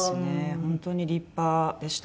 本当に立派でした。